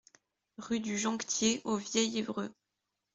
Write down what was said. Rue du Jonctier au Vieil-Évreux